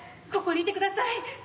ここにいてください。